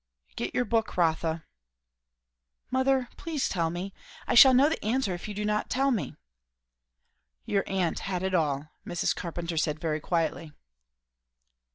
"Get your book, Rotha." "Mother, please tell me. I shall know the answer if you do not tell me." "Your aunt had it all," Mrs. Carpenter said very quietly.